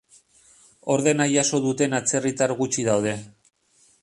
Ordena jaso duten atzerritar gutxi daude.